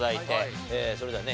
それではね